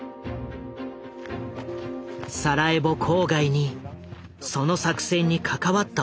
サラエボ郊外にその作戦に関わった男が見つかった。